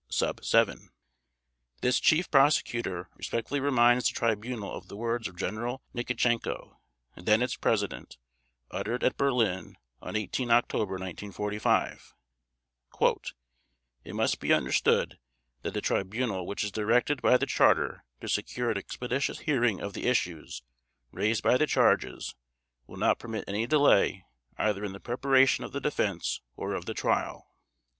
7) This Chief Prosecutor respectfully reminds the Tribunal of the words of General Nikitchenko, then its President, uttered at Berlin on 18 October 1945: "It must be understood that the Tribunal which is directed by the Charter to secure an expeditious hearing of the issues raised by the charges will not permit any delay either in the preparation of the defense or of the Trial."